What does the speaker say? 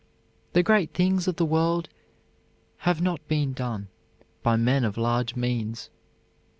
The great things of the world have not been done by men of large means.